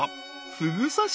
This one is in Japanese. ふぐ刺し